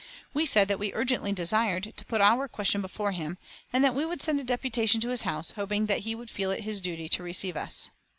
We said that we urgently desired to put our question before him, and that we would send a deputation to his house hoping that he would feel it his duty to receive us.